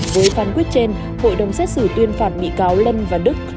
với phán quyết trên hội đồng xét xử tuyên phạt bị cáo lân và đức